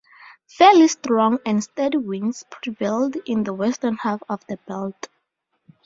Fairly strong and steady winds prevailed in the western half of the belt.